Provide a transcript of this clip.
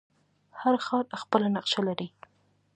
هر ښار خپله نقشه لري.